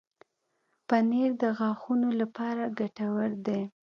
پنېر د غاښونو لپاره ګټور دی.